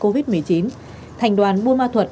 covid một mươi chín thành đoàn bùa me thuột